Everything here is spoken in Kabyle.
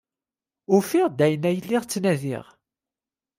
Ufiɣ-d ayen ay lliɣ ttnadiɣ.